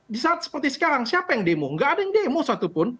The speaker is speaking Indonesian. di saat seperti sekarang siapa yang demo nggak ada yang demo satupun